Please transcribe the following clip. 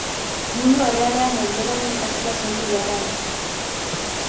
Mundu errealean norberaren ospea zaindu beharra dago.